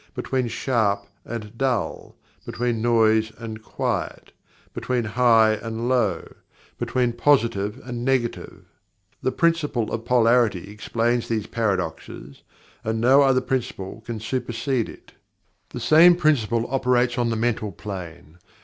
Between "Sharp and Dull"? Between "Noise and Quiet"? Between "High and Low"? Between "Positive and Negative"? The Principle of Polarity explains these paradoxes, and no other Principle can supersede it. The same Principle operates on the Mental Plane.